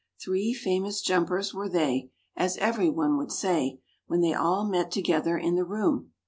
Three famous jumpers were they, as everyone would say, when they all met together in the room.